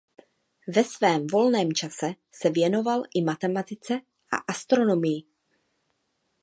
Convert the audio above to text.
Ve svém volném čase se věnoval i matematice a astronomii.